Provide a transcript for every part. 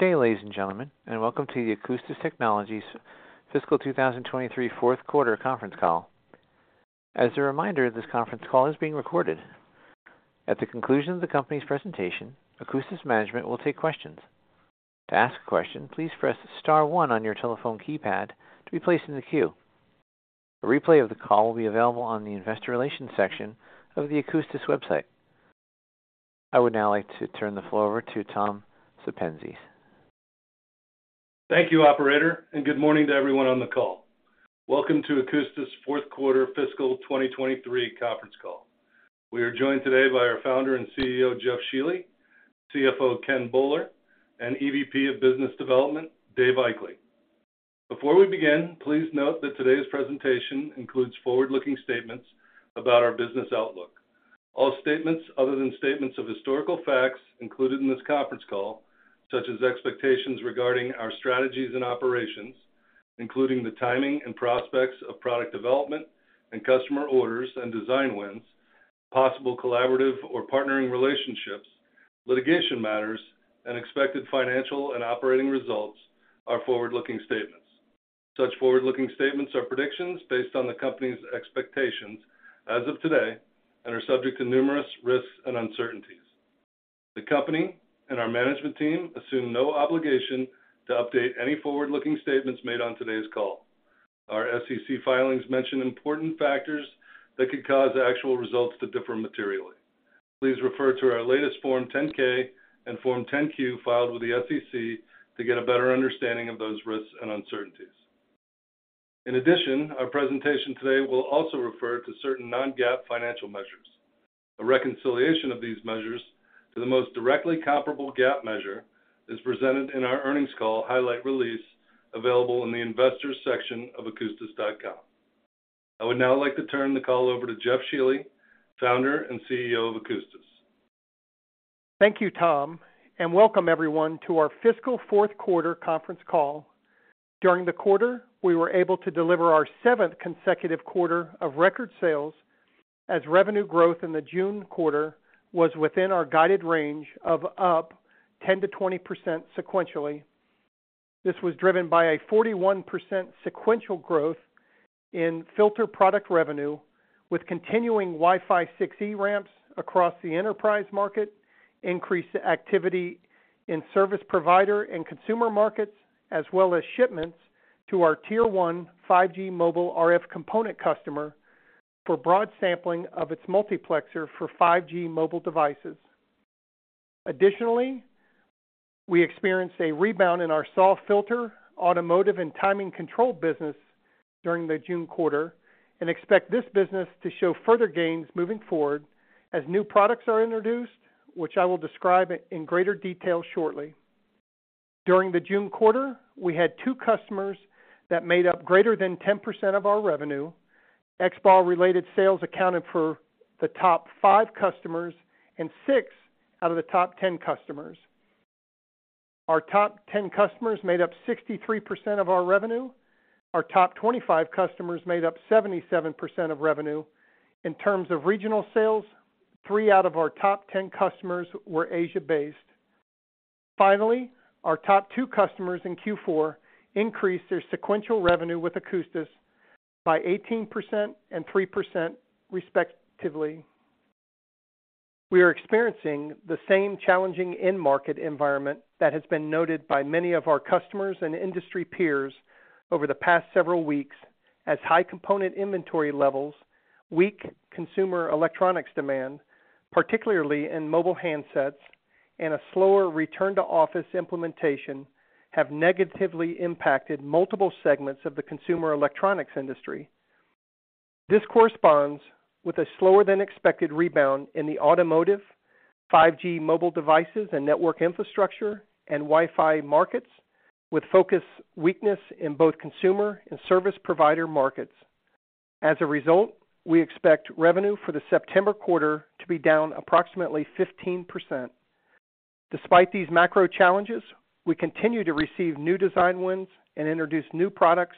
Good day, ladies and gentlemen, and welcome to the Akoustis Technologies Fiscal 2023 fourth quarter conference call. As a reminder, this conference call is being recorded. At the conclusion of the company's presentation, Akoustis management will take questions. To ask a question, please press star one on your telephone keypad to be placed in the queue. A replay of the call will be available on the investor relations section of the Akoustis website. I would now like to turn the floor over to Tom Sepenzis. Thank you, operator, and good morning to everyone on the call. Welcome to Akoustis' fourth quarter fiscal 2023 conference call. We are joined today by our founder and CEO, Jeff Shealy, CFO, Ken Boller, and EVP of Business Development, Dave Aichele. Before we begin, please note that today's presentation includes forward-looking statements about our business outlook. All statements other than statements of historical facts included in this conference call, such as expectations regarding our strategies and operations, including the timing and prospects of product development and customer orders and design wins, possible collaborative or partnering relationships, litigation matters, and expected financial and operating results, are forward-looking statements. Such forward-looking statements are predictions based on the company's expectations as of today and are subject to numerous risks and uncertainties. The company and our management team assume no obligation to update any forward-looking statements made on today's call. Our SEC filings mention important factors that could cause actual results to differ materially. Please refer to our latest Form 10-K and Form 10-Q filed with the SEC to get a better understanding of those risks and uncertainties. In addition, our presentation today will also refer to certain non-GAAP financial measures. A reconciliation of these measures to the most directly comparable GAAP measure is presented in our earnings call highlight release, available in the Investors section of akoustis.com. I would now like to turn the call over to Jeff Shealy, founder and CEO of Akoustis. Thank you, Tom, and welcome everyone to our fiscal fourth quarter conference call. During the quarter, we were able to deliver our seventh consecutive quarter of record sales, as revenue growth in the June quarter was within our guided range of up 10%-20% sequentially. This was driven by a 41% sequential growth in filter product revenue, with continuing Wi-Fi 6E ramps across the enterprise market, increased activity in service provider and consumer markets, as well as shipments to our Tier 1 5G mobile RF component customer for broad sampling of its multiplexer for 5G mobile devices. Additionally, we experienced a rebound in our SAW filter, automotive, and timing control business during the June quarter and expect this business to show further gains moving forward as new products are introduced, which I will describe in greater detail shortly. During the June quarter, we had 2 customers that made up greater than 10% of our revenue. XBAW-related sales accounted for the top 5 customers and 6 out of the top 10 customers. Our top 10 customers made up 63% of our revenue. Our top 25 customers made up 77% of revenue. In terms of regional sales, 3 out of our top 10 customers were Asia-based. Finally, our top 2 customers in Q4 increased their sequential revenue with Akoustis by 18% and 3%, respectively. We are experiencing the same challenging end market environment that has been noted by many of our customers and industry peers over the past several weeks, as high component inventory levels, weak consumer electronics demand, particularly in mobile handsets, and a slower return-to-office implementation, have negatively impacted multiple segments of the consumer electronics industry. This corresponds with a slower-than-expected rebound in the automotive, 5G mobile devices and network infrastructure, and Wi-Fi markets, with focused weakness in both consumer and service provider markets. As a result, we expect revenue for the September quarter to be down approximately 15%. Despite these macro challenges, we continue to receive new design wins and introduce new products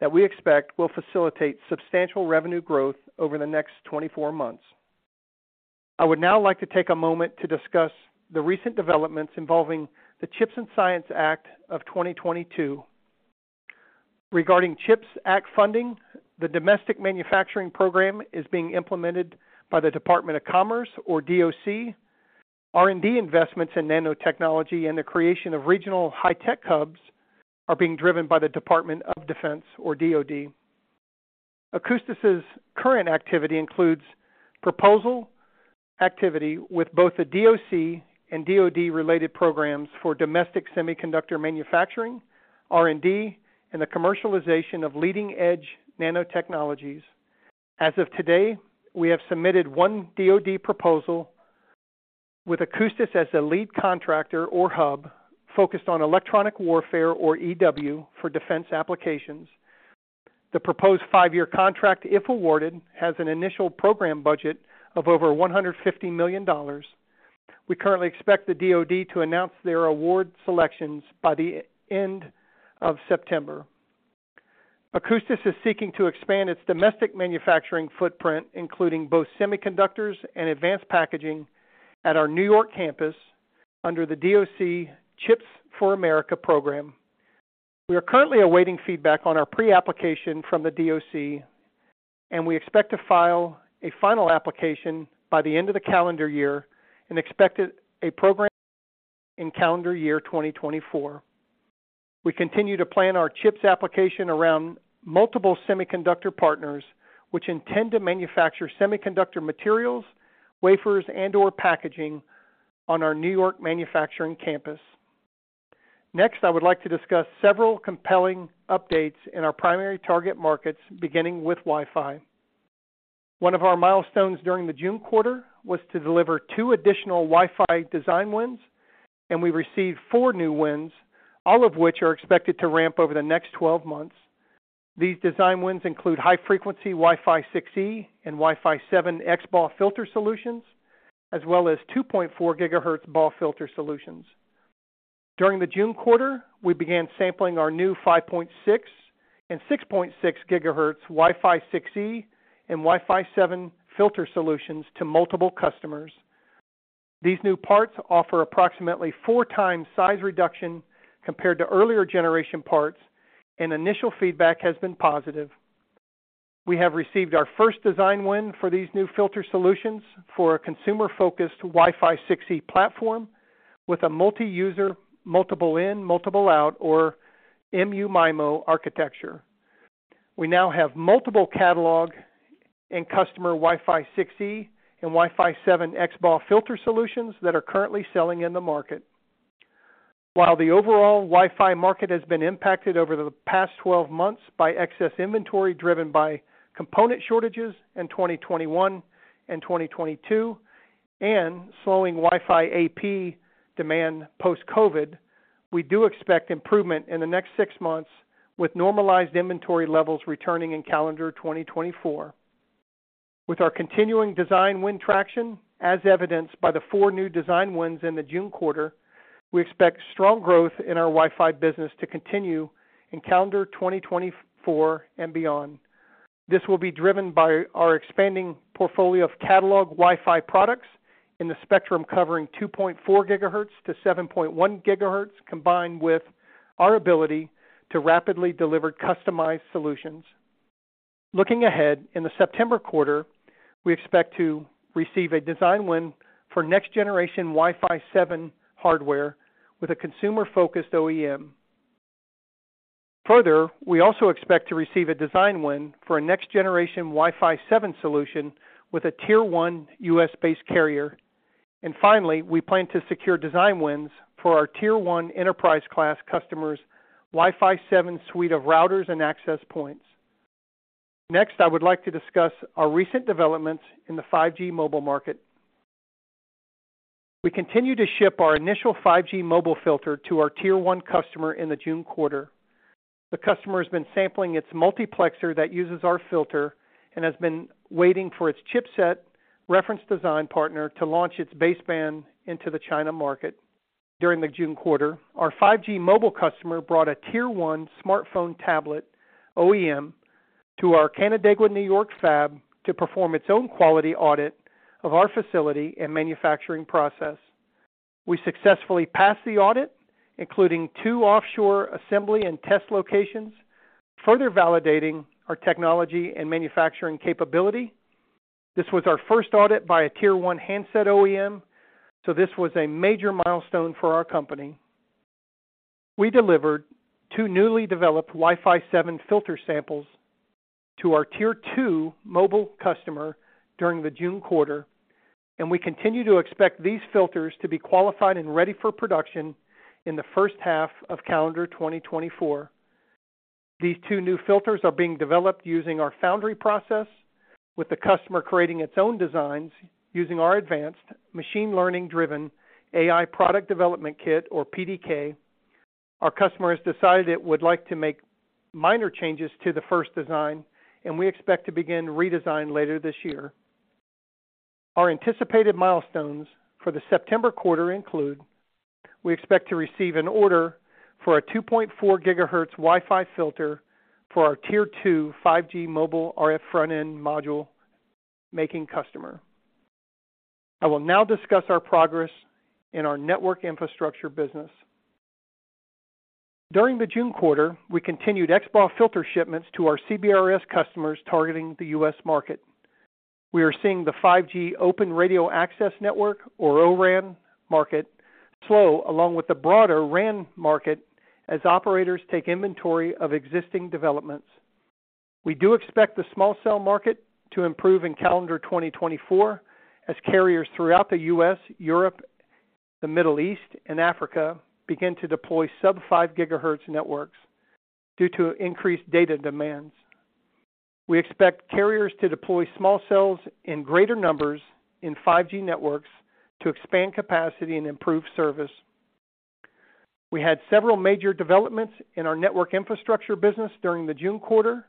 that we expect will facilitate substantial revenue growth over the next 24 months. I would now like to take a moment to discuss the recent developments involving the CHIPS and Science Act of 2022. Regarding CHIPS Act funding, the domestic manufacturing program is being implemented by the Department of Commerce, or DOC. R&D investments in nanotechnology and the creation of regional high-tech hubs are being driven by the Department of Defense, or DoD. Akoustis' current activity includes proposal activity with both the DOC and DoD-related programs for domestic semiconductor manufacturing, R&D, and the commercialization of leading-edge nanotechnologies. As of today, we have submitted 1 DoD proposal with Akoustis as the lead contractor or hub, focused on electronic warfare or EW for defense applications. The proposed 5-year contract, if awarded, has an initial program budget of over $150 million. We currently expect the DoD to announce their award selections by the end of September. Akoustis is seeking to expand its domestic manufacturing footprint, including both semiconductors and advanced packaging, at our New York campus under the DOC CHIPS for America program. We are currently awaiting feedback on our pre-application from the DOC, and we expect to file a final application by the end of the calendar year and expect it a program in calendar year 2024. We continue to plan our CHIPS application around multiple semiconductor partners, which intend to manufacture semiconductor materials, wafers, and/or packaging on our New York manufacturing campus. Next, I would like to discuss several compelling updates in our primary target markets, beginning with Wi-Fi. One of our milestones during the June quarter was to deliver 2 additional Wi-Fi design wins, and we received 4 new wins, all of which are expected to ramp over the next 12 months. These design wins include high-frequency Wi-Fi 6E and Wi-Fi 7 XBAW filter solutions, as well as 2.4 GHz BAW filter solutions. During the June quarter, we began sampling our new 5.6 GHz and 6.6 GHz Wi-Fi 6E and Wi-Fi 7 filter solutions to multiple customers. These new parts offer approximately 4x size reduction compared to earlier generation parts, and initial feedback has been positive. We have received our first design win for these new filter solutions for a consumer-focused Wi-Fi 6E platform with a multi-user, multiple in, multiple out, or MU-MIMO architecture. We now have multiple catalog and customer Wi-Fi 6E and Wi-Fi 7 XBAW filter solutions that are currently selling in the market. While the overall Wi-Fi market has been impacted over the past 12 months by excess inventory driven by component shortages in 2021 and 2022, and slowing Wi-Fi AP demand post-COVID, we do expect improvement in the next 6 months, with normalized inventory levels returning in calendar 2024. With our continuing design win traction, as evidenced by the 4 new design wins in the June quarter, we expect strong growth in our Wi-Fi business to continue in calendar 2024 and beyond. This will be driven by our expanding portfolio of catalog Wi-Fi products in the spectrum covering 2.4 GHz-7.1 GHz, combined with our ability to rapidly deliver customized solutions. Looking ahead, in the September quarter, we expect to receive a design win for next generation Wi-Fi 7 hardware with a consumer-focused OEM. Further, we also expect to receive a design win for a next generation Wi-Fi 7 solution with a Tier 1 U.S.-based carrier. And finally, we plan to secure design wins for our Tier 1 enterprise class customers' Wi-Fi 7 suite of routers and access points. Next, I would like to discuss our recent developments in the 5G mobile market. We continue to ship our initial 5G mobile filter to our Tier 1 customer in the June quarter. The customer has been sampling its multiplexer that uses our filter and has been waiting for its chipset reference design partner to launch its baseband into the China market. During the June quarter, our 5G mobile customer brought a Tier 1 smartphone tablet OEM to our Canandaigua, New York, fab to perform its own quality audit of our facility and manufacturing process. We successfully passed the audit, including two offshore assembly and test locations, further validating our technology and manufacturing capability. This was our first audit by a Tier 1 handset OEM, so this was a major milestone for our company. We delivered two newly developed Wi-Fi 7 filter samples to our Tier 2 mobile customer during the June quarter, and we continue to expect these filters to be qualified and ready for production in the first half of calendar 2024. These two new filters are being developed using our foundry process, with the customer creating its own designs using our advanced machine learning-driven AI Product Development Kit, or PDK. Our customers decided it would like to make minor changes to the first design, and we expect to begin redesign later this year. Our anticipated milestones for the September quarter include we expect to receive an order for a 2.4 GHz Wi-Fi filter for our Tier 2 5G mobile RF front-end module making customer. I will now discuss our progress in our network infrastructure business. During the June quarter, we continued XBAW filter shipments to our CBRS customers targeting the U.S. market. We are seeing the 5G Open Radio Access Network, or O-RAN market, slow, along with the broader RAN market, as operators take inventory of existing developments. We do expect the small cell market to improve in calendar 2024 as carriers throughout the U.S, Europe, the Middle East, and Africa begin to deploy sub-5 GHz networks due to increased data demands. We expect carriers to deploy small cells in greater numbers in 5G networks to expand capacity and improve service. We had several major developments in our network infrastructure business during the June quarter.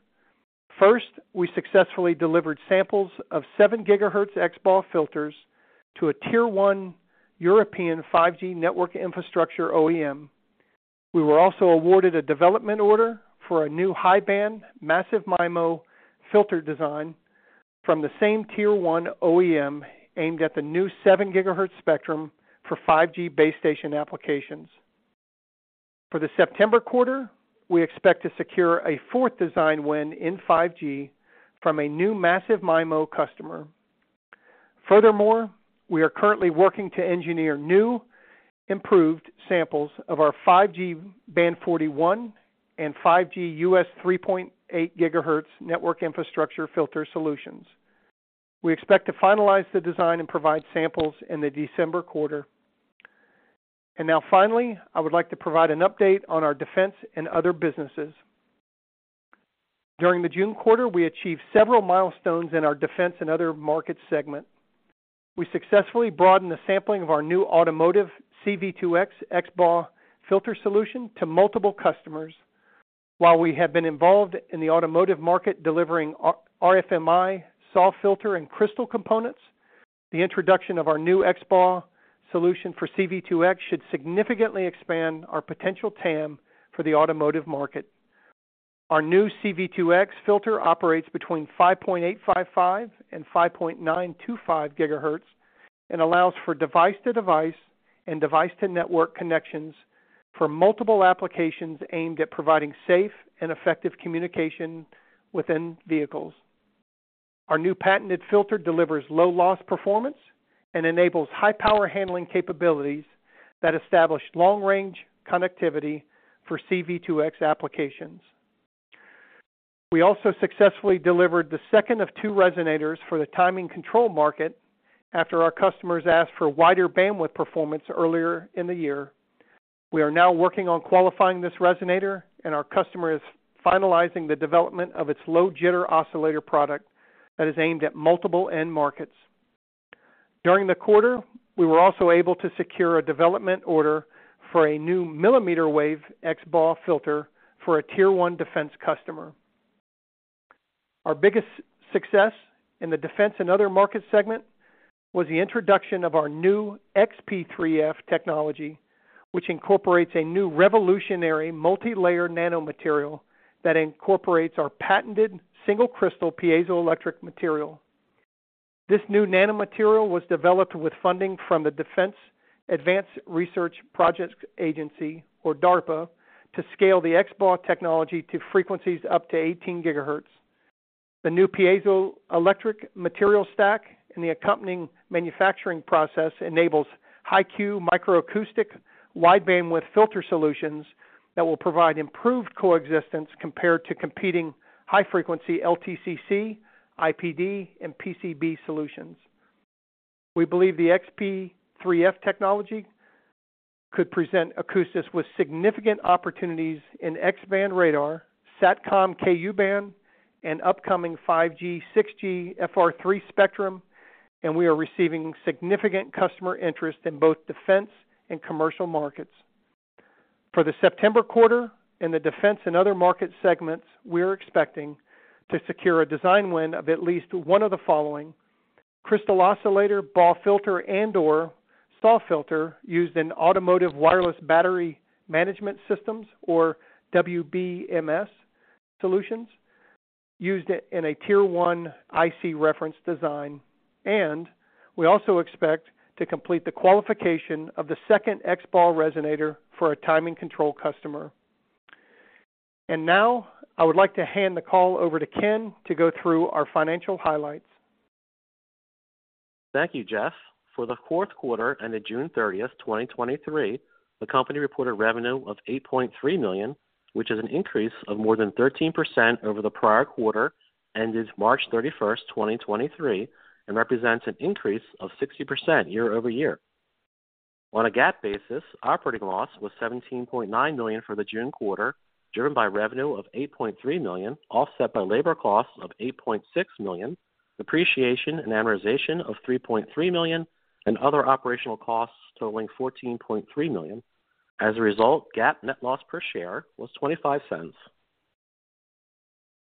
First, we successfully delivered samples of 7 GHz XBAW filters to a Tier 1 European 5G network infrastructure OEM. We were also awarded a development order for a new high band massive MIMO filter design from the same Tier 1 OEM, aimed at the new 7 GHz spectrum for 5G base station applications. For the September quarter, we expect to secure a fourth design win in 5G from a new massive MIMO customer. Furthermore, we are currently working to engineer new, improved samples of our 5G Band 41 and 5G US 3.8 GHz network infrastructure filter solutions. We expect to finalize the design and provide samples in the December quarter. Now finally, I would like to provide an update on our defense and other businesses. During the June quarter, we achieved several milestones in our defense and other market segment. We successfully broadened the sampling of our new automotive C-V2X XBAW filter solution to multiple customers. While we have been involved in the automotive market, delivering RFMi SAW filter and crystal components, the introduction of our new XBAW solution for C-V2X should significantly expand our potential TAM for the automotive market. Our new C-V2X filter operates between 5.855 GHz and 5.925 GHz and allows for device-to-device and device-to-network connections for multiple applications aimed at providing safe and effective communication within vehicles. Our new patented filter delivers low loss performance and enables high power handling capabilities that establish long range connectivity for C-V2X applications. We also successfully delivered the second of two resonators for the timing control market after our customers asked for wider bandwidth performance earlier in the year. We are now working on qualifying this resonator, and our customer is finalizing the development of its low jitter oscillator product that is aimed at multiple end markets. During the quarter, we were also able to secure a development order for a new millimeter wave XBAW filter for a Tier 1 defense customer. Our biggest success in the defense and other market segment was the introduction of our new XP3F technology, which incorporates a new revolutionary multilayer nanomaterial that incorporates our patented single crystal piezoelectric material. This new nanomaterial was developed with funding from the Defense Advanced Research Projects Agency, or DARPA, to scale the XBAW technology to frequencies up to 18 GHz. The new piezoelectric material stack and the accompanying manufacturing process enables high Q microacoustic, wide bandwidth filter solutions that will provide improved coexistence compared to competing high frequency LTCC, IPD, and PCB solutions. We believe the XP3F technology could present acoustics with significant opportunities in X-band radar, Satcom Ku-band, and upcoming 5G, 6G FR3 spectrum, and we are receiving significant customer interest in both defense and commercial markets. For the September quarter and the defense and other market segments, we are expecting to secure a design win of at least one of the following: crystal oscillator, BAW filter, and/or SAW filter used in automotive wireless battery management systems or WBMS solutions used in a Tier 1 IC reference design. We also expect to complete the qualification of the second XBAW resonator for our timing control customer. Now I would like to hand the call over to Ken to go through our financial highlights. Thank you, Jeff. For the fourth quarter and June 30, 2023, the company reported revenue of $8.3 million, which is an increase of more than 13% over the prior quarter, ended March 31, 2023, and represents an increase of 60% year-over-year. On a GAAP basis, operating loss was $17.9 million for the June quarter, driven by revenue of $8.3 million, offset by labor costs of $8.6 million, depreciation and amortization of $3.3 million, and other operational costs totaling $14.3 million. As a result, GAAP net loss per share was $0.25.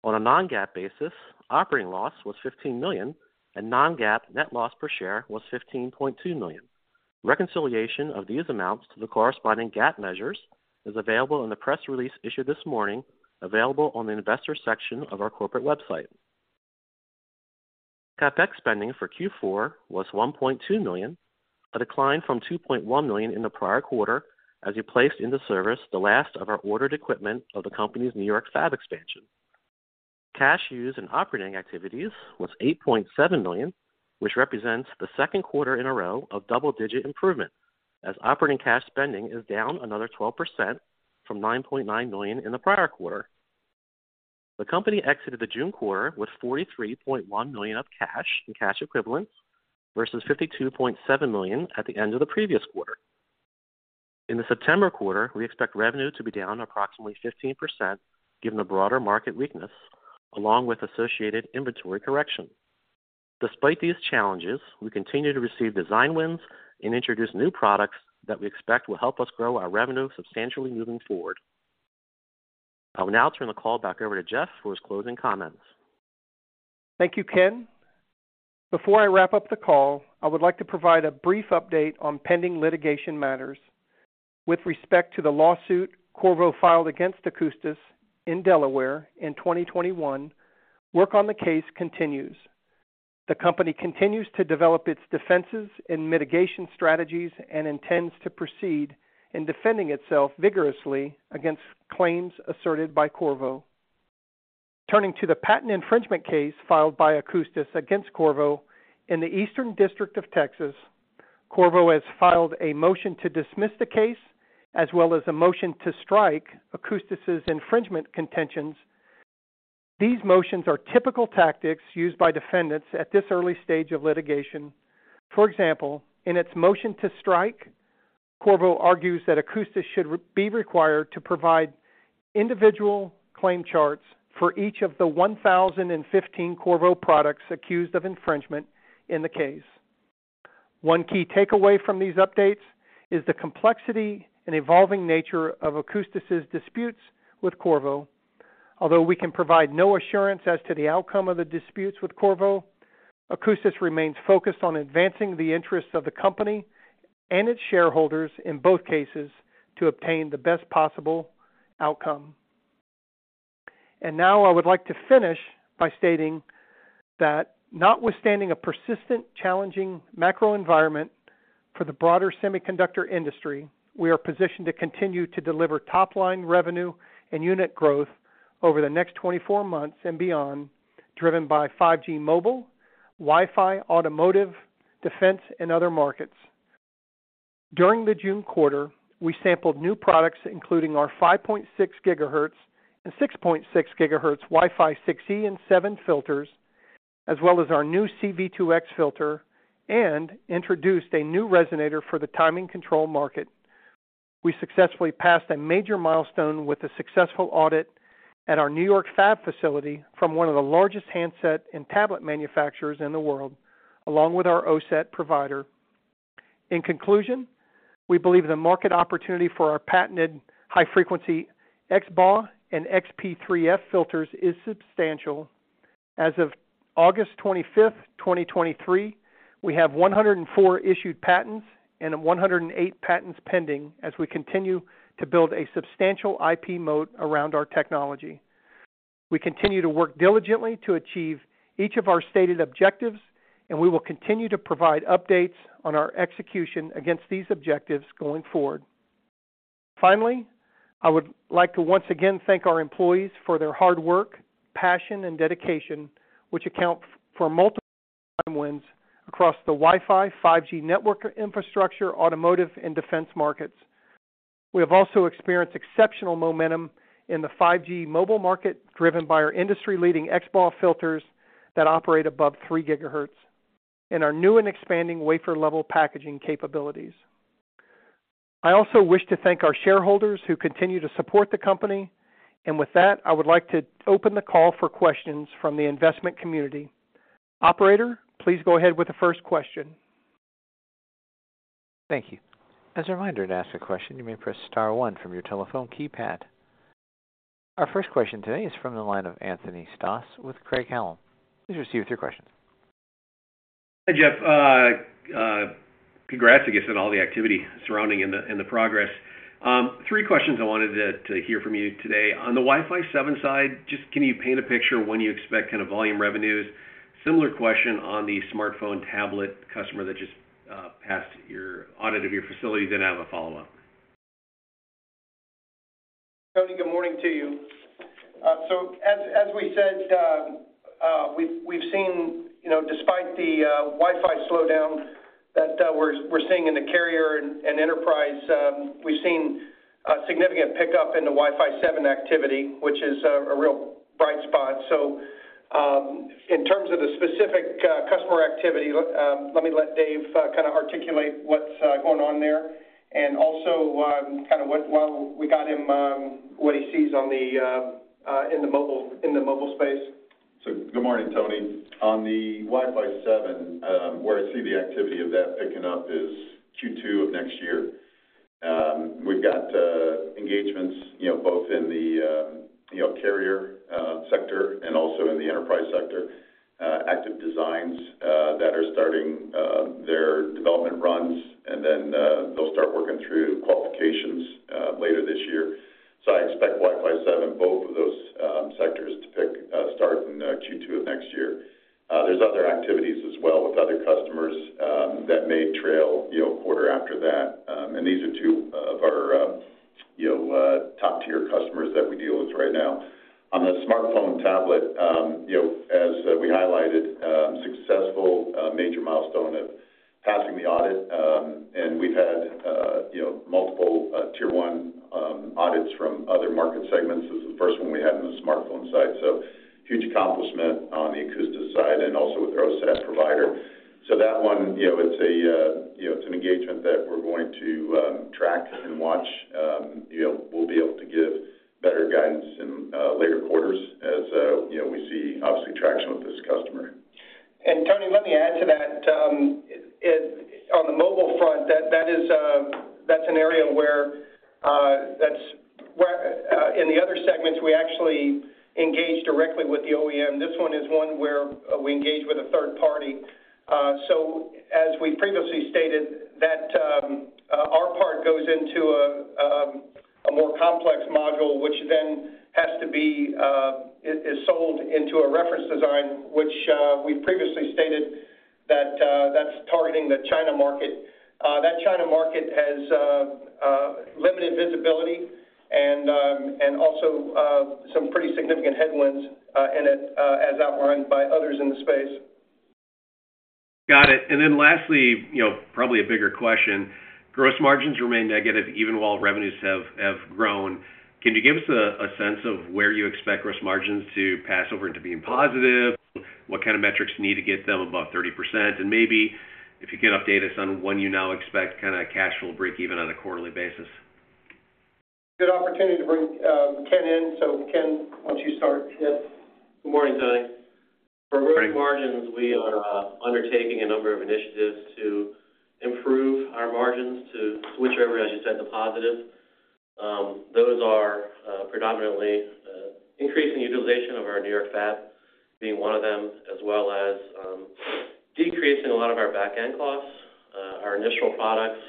On a non-GAAP basis, operating loss was $15 million, and non-GAAP net loss per share was $15.2 million. Reconciliation of these amounts to the corresponding GAAP measures is available in the press release issued this morning, available on the investor section of our corporate website. CapEx spending for Q4 was $1.2 million, a decline from $2.1 million in the prior quarter, as we placed into service the last of our ordered equipment of the company's New York fab expansion. Cash use and operating activities was $8.7 million, which represents the second quarter in a row of double-digit improvement, as operating cash spending is down another 12% from $9.9 million in the prior quarter. The company exited the June quarter with $43.1 million of cash and cash equivalents versus $52.7 million at the end of the previous quarter. In the September quarter, we expect revenue to be down approximately 15%, given the broader market weakness, along with associated inventory correction. Despite these challenges, we continue to receive design wins and introduce new products that we expect will help us grow our revenue substantially moving forward. I will now turn the call back over to Jeff for his closing comments. Thank you, Ken. Before I wrap up the call, I would like to provide a brief update on pending litigation matters. With respect to the lawsuit Qorvo filed against Akoustis in Delaware in 2021, work on the case continues. The company continues to develop its defenses and mitigation strategies and intends to proceed in defending itself vigorously against claims asserted by Qorvo. Turning to the patent infringement case filed by Akoustis against Qorvo in the Eastern District of Texas, Qorvo has filed a motion to dismiss the case, as well as a motion to strike Akoustis' infringement contentions. These motions are typical tactics used by defendants at this early stage of litigation. For example, in its motion to strike, Qorvo argues that Akoustis should be required to provide individual claim charts for each of the 1,015 Qorvo products accused of infringement in the case. One key takeaway from these updates is the complexity and evolving nature of Akoustis' disputes with Qorvo. Although we can provide no assurance as to the outcome of the disputes with Qorvo, Akoustis remains focused on advancing the interests of the company and its shareholders in both cases to obtain the best possible outcome. And now I would like to finish by stating that notwithstanding a persistent, challenging macro environment for the broader semiconductor industry, we are positioned to continue to deliver top-line revenue and unit growth over the next 24 months and beyond, driven by 5G mobile, Wi-Fi, automotive, defense, and other markets. During the June quarter, we sampled new products, including our 5.6 GHz and 6.6 GHz Wi-Fi 6E and 7 filters, as well as our new C-V2X filter, and introduced a new resonator for the timing control market. We successfully passed a major milestone with a successful audit at our New York fab facility from one of the largest handset and tablet manufacturers in the world, along with our OSAT provider. In conclusion, we believe the market opportunity for our patented high-frequency XBAW and XP3F filters is substantial. As of August 25, 2023, we have 104 issued patents and 108 patents pending as we continue to build a substantial IP moat around our technology. We continue to work diligently to achieve each of our stated objectives, and we will continue to provide updates on our execution against these objectives going forward. Finally, I would like to once again thank our employees for their hard work, passion, and dedication, which account for multiple wins across the Wi-Fi, 5G network infrastructure, automotive, and defense markets. We have also experienced exceptional momentum in the 5G mobile market, driven by our industry-leading XBAW filters that operate above 3 GHz and our new and expanding wafer-level packaging capabilities. I also wish to thank our shareholders who continue to support the company, and with that, I would like to open the call for questions from the investment community. Operator, please go ahead with the first question. Thank you. As a reminder, to ask a question, you may press star one from your telephone keypad. Our first question today is from the line of Anthony Stoss with Craig-Hallum. Please proceed with your questions. Hi, Jeff. Congrats, I guess, on all the activity surrounding and the, and the progress. Three questions I wanted to, to hear from you today. On the Wi-Fi 7 side, just can you paint a picture of when you expect kind of volume revenues? Similar question on the smartphone tablet customer that just passed your audit of your facility, then I have a follow-up. Tony, good morning to you. So as we said, we've seen, you know, despite the Wi-Fi slowdown that we're seeing in the carrier and enterprise, we've seen a significant pickup in the Wi-Fi 7 activity, which is a real bright spot. So, in terms of the specific customer activity, let me let Dave kind of articulate what's going on there and also, kind of what while we got him, what he sees on the in the mobile, in the mobile space. Good morning, Tony. On the Wi-Fi 7, where I see the activity of that picking up is Q2 of next year. We've got engagements, you know, both in the you know, carrier sector and also in the enterprise sector, active designs that are starting their development runs, and then they'll start working through qualifications later this year. I expect Wi-Fi 7, both of those sectors to pick, start in Q2 of next year. There's other activities as well with other customers that may trail, you know, quarter after that. And these are 2 of our you know, top-tier customers that we deal with right now. On the smartphone tablet, you know, as we highlighted, and we've had, you know, multiple, tier one, audits from other market segments. This is the first one we had on the smartphone side, so huge accomplishment on the Akoustis side and also with our OSAT provider. So that one, you know, it's a, you know, it's an engagement that we're going to, track and watch. You know, we'll be able to give better guidance in, later quarters as, you know, we see obviously traction with this customer. And Tony, let me add to that. On the mobile front, that is an area where that's where in the other segments we actually engage directly with the OEM. This one is one where we engage with a third party. So as we previously stated, our part goes into a more complex module, which then has to be sold into a reference design, which we previously stated that's targeting the China market. That China market has limited visibility and also some pretty significant headwinds in it as outlined by others in the space. Got it. And then lastly, you know, probably a bigger question. Gross margins remain negative even while revenues have grown. Can you give us a sense of where you expect gross margins to pass over into being positive? What kind of metrics need to get them above 30%? And maybe if you could update us on when you now expect kind of a cash flow breakeven on a quarterly basis. Good opportunity to bring Ken in. So Ken, why don't you start? Yeah. Good morning, Tony. For gross margins, we are undertaking a number of initiatives to improve our margins to switch over, as you said, to positive. Those are predominantly increasing utilization of our New York fab being one of them, as well as decreasing a lot of our back-end costs. Our initial products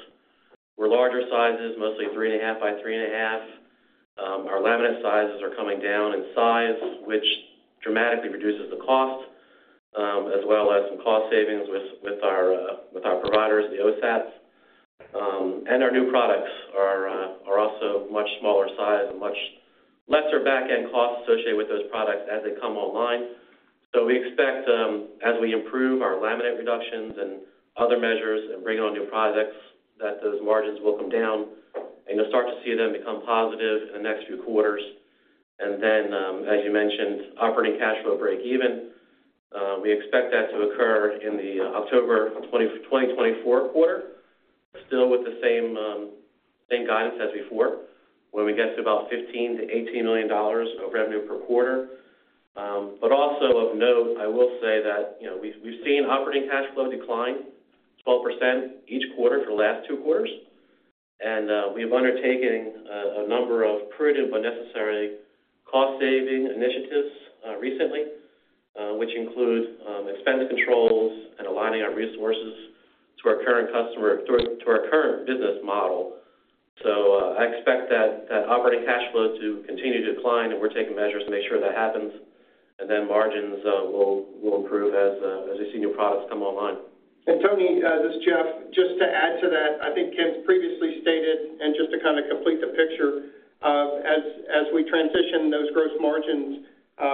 were larger sizes, mostly 3.5 by 3.5. Our laminate sizes are coming down in size, which dramatically reduces the cost, as well as some cost savings with our providers, the OSATs. And our new products are also much smaller size and much lesser back-end costs associated with those products as they come online. So we expect, as we improve our laminate reductions and other measures and bring on new products, that those margins will come down, and you'll start to see them become positive in the next few quarters. And then, as you mentioned, operating cash flow breakeven, we expect that to occur in the October 2024 quarter, still with the same, same guidance as before, when we get to about $15 million-$18 million of revenue per quarter. But also of note, I will say that, you know, we've seen operating cash flow decline 12% each quarter for the last two quarters, and, we've undertaken a number of prudent but necessary cost-saving initiatives, recently, which include, expense controls and aligning our resources to our current customer to our current business model. So, I expect that operating cash flow to continue to decline, and we're taking measures to make sure that happens, and then margins will improve as you see new products come online. And Tony, this is Jeff. Just to add to that, I think Ken's previously stated, and just to kind of complete the picture, as we transition those gross margins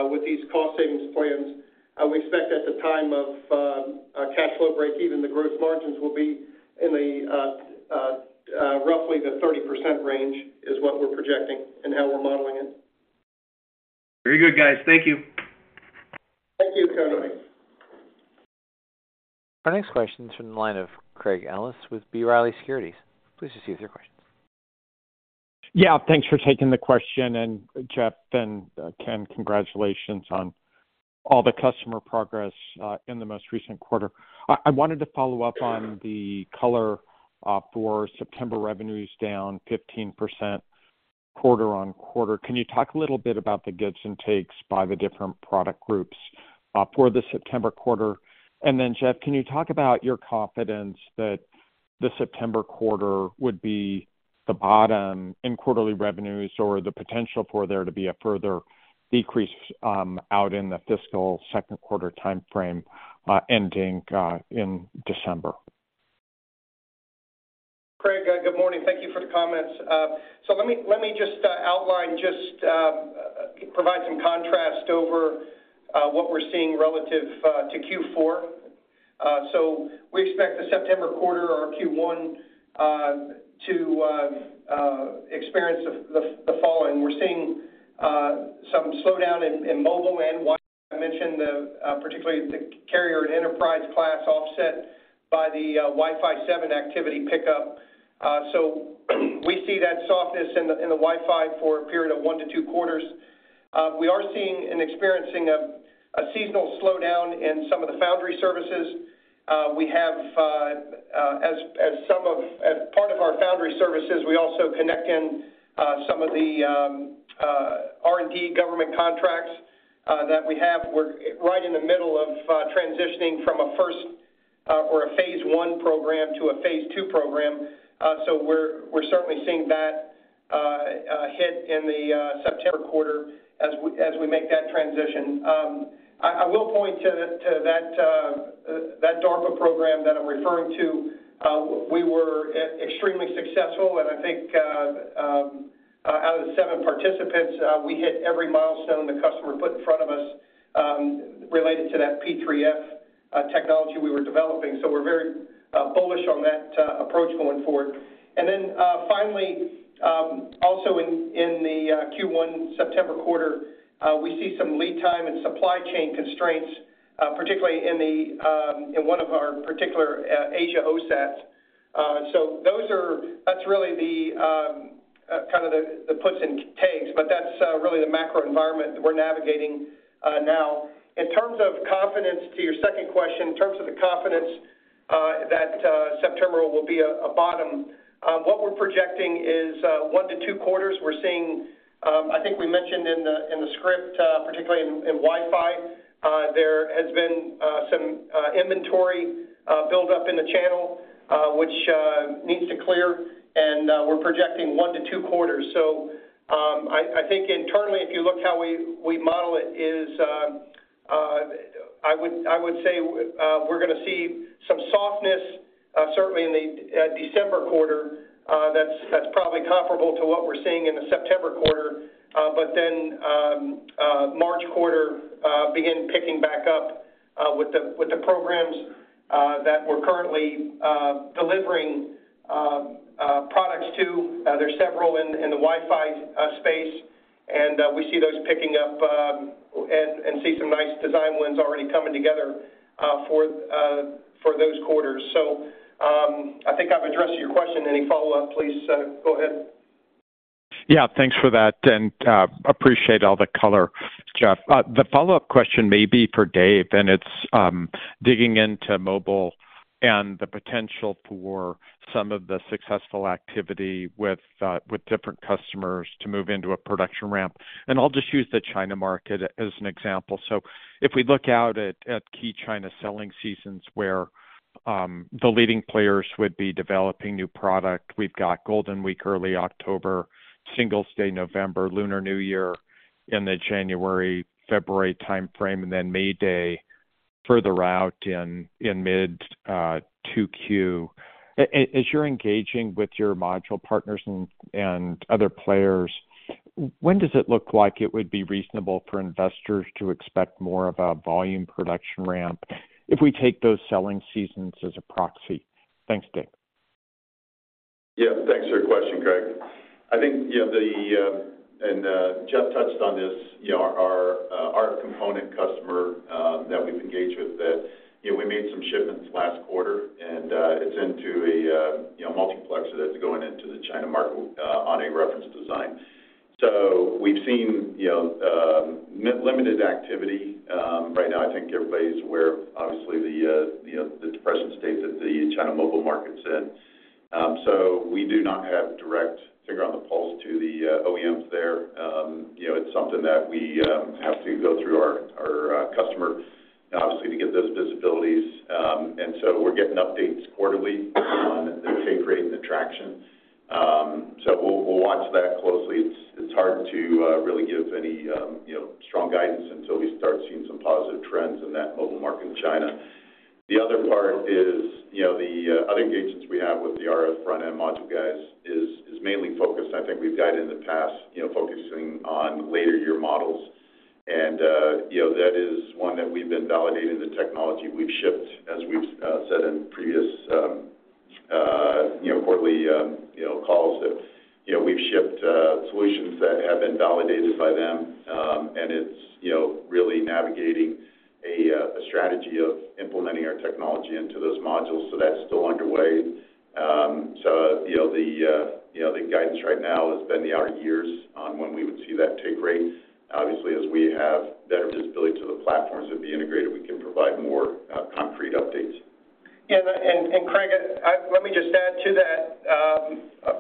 with these cost savings plans, we expect at the time of cash flow breakeven, the gross margins will be in the roughly 30% range is what we're projecting and how we're modeling it. Very good, guys. Thank you. Thank you, Tony. Our next question is from the line of Craig Ellis with B. Riley Securities. Please proceed with your questions. Yeah, thanks for taking the question, and Jeff and Ken, congratulations on all the customer progress in the most recent quarter. I wanted to follow up on the color for September revenues down 15% quarter-over-quarter. Can you talk a little bit about the gives and takes by the different product groups for the September quarter? And then, Jeff, can you talk about your confidence that the September quarter would be the bottom in quarterly revenues or the potential for there to be a further decrease out in the fiscal second quarter timeframe ending in December? Craig, good morning. Thank you for the comments. So let me just provide some contrast over what we're seeing relative to Q4. So we expect the September quarter or Q1 to experience the fall, and we're seeing some slowdown in mobile and Wi-Fi. I mentioned particularly the carrier and enterprise class offset by the Wi-Fi 7 activity pickup. So we see that softness in the Wi-Fi for a period of one to two quarters. We are seeing and experiencing a seasonal slowdown in some of the Foundry services. We have, as part of our Foundry services, we also connect in some of the R&D government contracts that we have. We're right in the middle of transitioning from a first or a phase one program to a phase two program. So we're certainly seeing that hit in the September quarter as we make that transition. I will point to that DARPA program that I'm referring to. We were extremely successful, and I think out of the seven participants we hit every milestone the customer put in front of us related to that P3F technology we were developing. So we're very bullish on that approach going forward. And then finally also in the Q1 September quarter we see some lead time and supply chain constraints particularly in one of our particular Asia OSATs. So that's really the kind of the puts and takes, but that's really the macro environment that we're navigating now. In terms of confidence, to your second question, in terms of the confidence that September will be a bottom, what we're projecting is 1-2 quarters. We're seeing, I think we mentioned in the script, particularly in Wi-Fi, there has been some inventory build up in the channel, which needs to clear, and we're projecting 1-2 quarters. So, I think internally, if you look how we model it, I would say, we're gonna see some softness certainly in the December quarter. That's probably comparable to what we're seeing in the September quarter. But then, March quarter, begin picking back up, with the programs that we're currently delivering products to. There's several in the Wi-Fi space, and we see those picking up, and see some nice design wins already coming together, for those quarters. So, I think I've addressed your question. Any follow-up, please, go ahead. Yeah, thanks for that, and, appreciate all the color, Jeff. The follow-up question may be for Dave, and it's digging into mobile and the potential for some of the successful activity with different customers to move into a production ramp. And I'll just use the China market as an example. So if we look out at key China selling seasons, where the leading players would be developing new product, we've got Golden Week, early October, Singles' Day, November, Lunar New Year in the January-February time frame, and then May Day further out in mid 2Q. As you're engaging with your module partners and other players, when does it look like it would be reasonable for investors to expect more of a volume production ramp if we take those selling seasons as a proxy? Thanks, Dave. Yeah, thanks for your question, Craig. I think, you know, Jeff touched on this, you know, our our component customer that we've engaged with, that, you know, we made some shipments last quarter, and it's into a you know, multiplexer that's going into the China market on a reference design. So we've seen, you know, limited activity. Right now, I think everybody's aware, obviously, you know, the depressed state that the China mobile market's in. So we do not have direct finger on the pulse to the OEMs there. You know, it's something that we have to go through our our customer, obviously, to get those visibilities. And so we're getting updates quarterly on the take rate and the traction. So we'll watch that closely. It's hard to really give any, you know, strong guidance until we start seeing some positive trends in that mobile market in China. The other part is, you know, the other engagements we have with the RF front-end module guys is mainly focused, I think we've guided in the past, you know, focusing on later year models. You know, that is one that we've been validating the technology. We've shipped, as we've said in previous, you know, quarterly, you know, calls that, you know, we've shipped solutions that have been validated by them. And it's, you know, really navigating a strategy of implementing our technology into those modules, so that's still underway. So, you know, the guidance right now has been the out years on when we would see that take rate. Obviously, as we have better visibility to the platforms that be integrated, we can provide more concrete updates. Yeah, Craig, let me just add to that.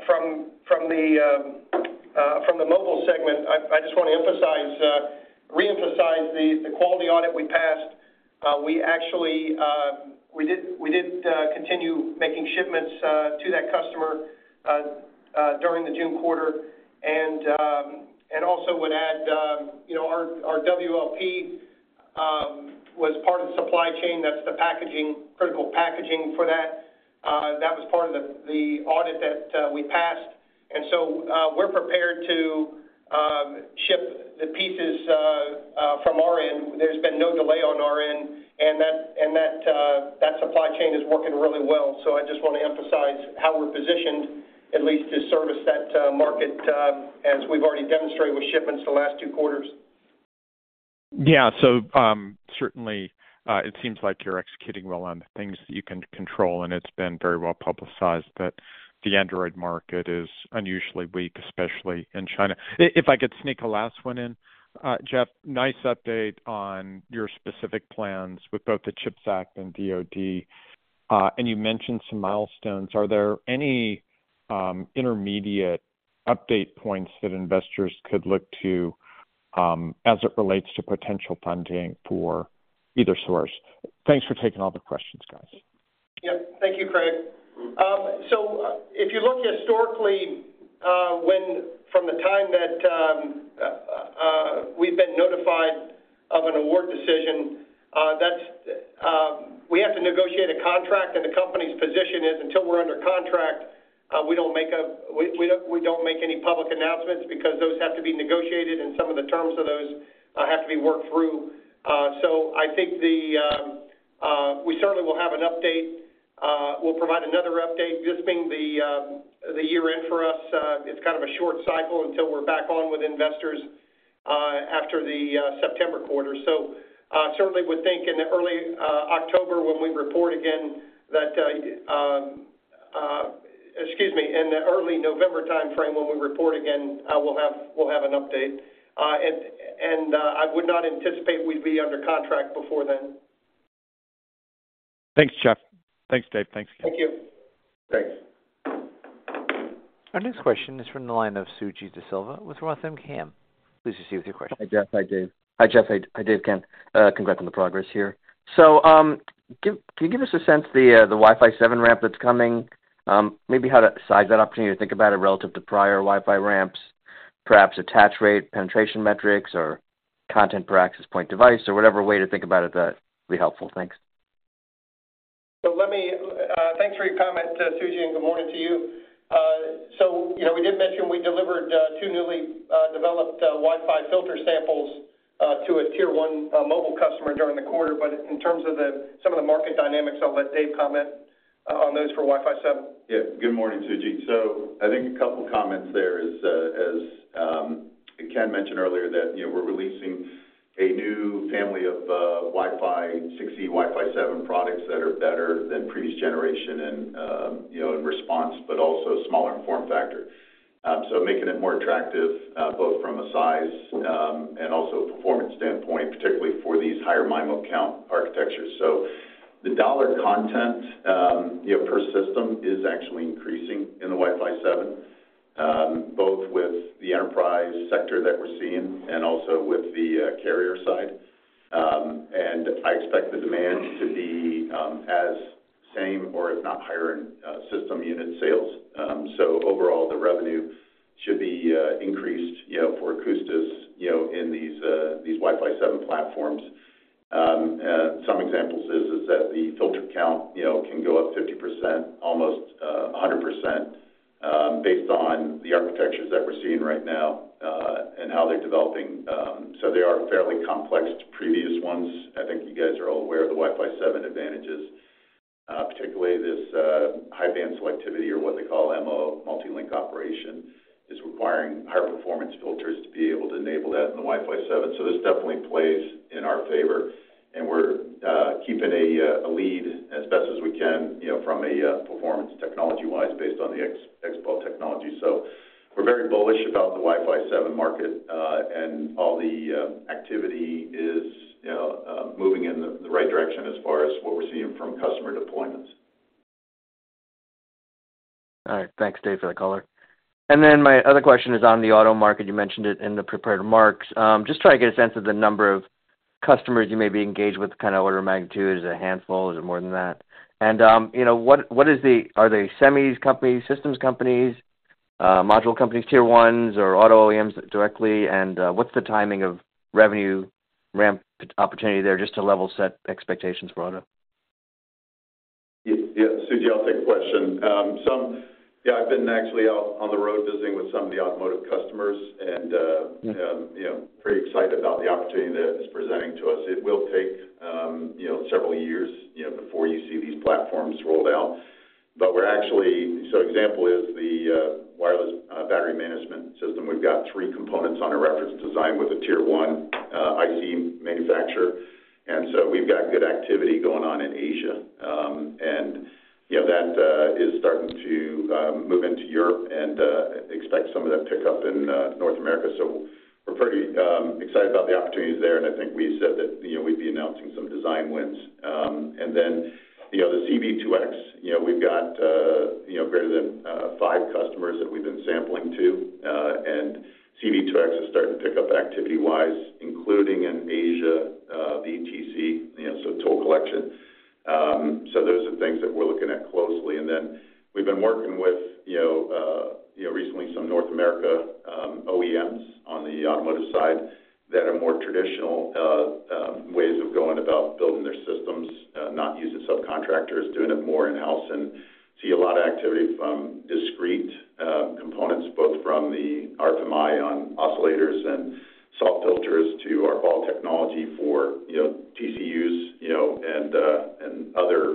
From the mobile segment, I just want to emphasize reemphasize the quality audit we passed. We actually did continue making shipments to that customer during the June quarter. And also would add, you know, our WLP was part of the supply chain. That's the packaging, critical packaging for that. That was part of the audit that we passed, and so, we're prepared to ship the pieces from our end. There's been no delay on our end, and that supply chain is working really well. I just want to emphasize how we're positioned at least to service that market, as we've already demonstrated with shipments the last two quarters. Yeah. So, certainly, it seems like you're executing well on the things that you can control, and it's been very well publicized that the Android market is unusually weak, especially in China. If I could sneak a last one in, Jeff, nice update on your specific plans with both the CHIPS Act and DoD. And you mentioned some milestones. Are there any intermediate update points that investors could look to, as it relates to potential funding for either source? Thanks for taking all the questions, guys. Yeah. Thank you, Craig. So if you look historically, when from the time that we've been notified of an award decision, that's. We have to negotiate a contract, and the company's position is until we're under contract, we don't make any public announcements because those have to be negotiated, and some of the terms of those have to be worked through. So I think certainly we'll have an update. We'll provide another update. This being the year-end for us, it's kind of a short cycle until we're back on with investors after the September quarter. So, certainly would think in early October, when we report again, that, excuse me, in the early November time frame, when we report again, we'll have, we'll have an update. And, and, I would not anticipate we'd be under contract before then. Thanks, Jeff. Thanks, Dave. Thanks, Ken. Thank you. Thanks. Our next question is from the line of Suji Desilva with Roth MKM. Please proceed with your question. Hi, Jeff. Hi, Dave. Hi, Jeff. Hi, Dave, Ken. Congrats on the progress here. So, can you give us a sense of the, the Wi-Fi 7 ramp that's coming? Maybe how to size that opportunity to think about it relative to prior Wi-Fi ramps, perhaps attach rate, penetration metrics, or content per access point device, or whatever way to think about it, that would be helpful. Thanks. So let me, thanks for your comment, Suji, and good morning to you. So, you know, we did mention we delivered two newly developed Wi-Fi filter samples to a tier one mobile customer during the quarter. But in terms of some of the market dynamics, I'll let Dave comment on those for Wi-Fi 7. Yeah. Good morning, Suji. So I think a couple comments there is, as Ken mentioned earlier, that, you know, we're releasing a new family of Wi-Fi 6E, Wi-Fi 7 products that are better than previous generation and, you know, in response, but also smaller in form factor. So making it more attractive, both from a size and also a performance standpoint, particularly for these higher MIMO count architectures. So the dollar content, you know, per system is actually increasing in the Wi-Fi 7, both with the enterprise sector that we're seeing and also with the carrier side. And I expect the demand to be as same or if not higher in system unit sales. So overall, the revenue should be increased, you know, for Akoustis, you know, in these Wi-Fi 7 platforms. And some examples is that the filter count, you know, can go up 50%, almost, 100%, based on the architectures that we're seeing right now, and how they're developing. So they are fairly complex to previous ones. I think you guys are all aware of the Wi-Fi 7 advantages, particularly this, high band selectivity or what they call MLO, multi-link operation, is requiring higher performance filters to be able to enable that in the Wi-Fi 7. So this definitely plays in our favor, and we're keeping a lead as best as we can, you know, from a performance technology-wise, based on the XBAW technology. So we're very bullish about the Wi-Fi 7 market, and all the activity is, you know, moving in the right direction as far as what we're seeing from customer deployments. All right. Thanks, Dave, for the color. And then my other question is on the auto market. You mentioned it in the prepared remarks. Just trying to get a sense of the number of customers you may be engaged with, kind of order of magnitude. Is it a handful? Is it more than that? And, you know, what are they semis companies, systems companies, module companies, tier ones, or auto OEMs directly? And, what's the timing of revenue ramp opportunity there, just to level set expectations for auto? Yeah, Suji, I'll take the question. Yeah, I've actually been out on the road visiting with some of the automotive customers and, Yeah... you know, pretty excited about the opportunity that it's presenting to us. It will take, you know, several years, you know, before you see these platforms rolled out. But we're actually, so example is the wireless battery management system. We've got three components on our reference design with a Tier 1 IC manufacturer, and so we've got good activity going on in Asia. And, you know, that is starting to move into Europe and expect some of that pick up in North America. So we're pretty excited about the opportunities there, and I think we said that, you know, we'd be announcing some design wins. And then, you know, the C-V2X, you know, we've got, you know, greater than 5 customers that we've been sampling to, and C-V2X is starting to pick up activity-wise, including in Asia, the ETC, you know, so toll collection. So those are things that we're looking at closely. And then we've been working with, you know, you know, recently some North American OEMs on the automotive side that are more traditional ways of going about building their systems, not using subcontractors, doing it more in-house, and see a lot of activity from discrete components, both from the RFMi on oscillators and SAW filters to our BAW technology for, you know, TCUs, you know, and other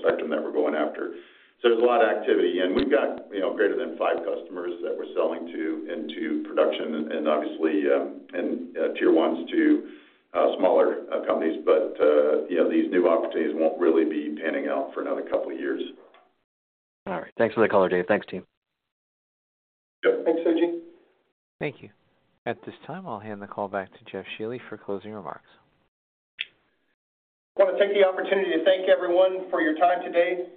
spectrum that we're going after. So there's a lot of activity, and we've got, you know, greater than five customers that we're selling to into production and obviously tier ones to smaller companies. But, you know, these new opportunities won't really be panning out for another couple of years. All right. Thanks for the color, Dave. Thanks, team. Yep. Thanks, Suji. Thank you. At this time, I'll hand the call back to Jeff Shealy for closing remarks. I want to take the opportunity to thank everyone for your time today.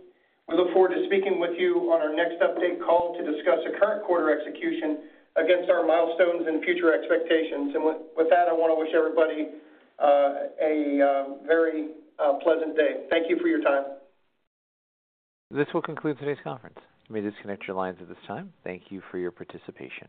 We look forward to speaking with you on our next update call to discuss the current quarter execution against our milestones and future expectations. And with that, I want to wish everybody a very pleasant day. Thank you for your time. This will conclude today's conference. You may disconnect your lines at this time. Thank you for your participation.